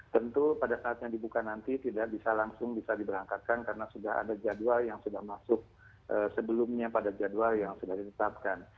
tentu pada saat yang dibuka nanti tidak bisa langsung bisa diberangkatkan karena sudah ada jadwal yang sudah masuk sebelumnya pada jadwal yang sudah ditetapkan